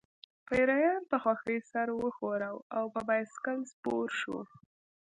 پیریان په خوښۍ سر وښوراوه او په بایسکل سپور شو